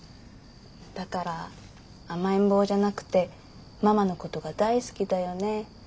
だから甘えん坊じゃなくてママのことが大好きだよね。